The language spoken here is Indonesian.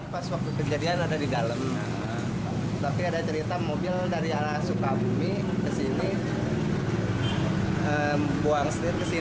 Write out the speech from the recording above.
kayak ada orang mau menyeberang jadi dibuang ke kiri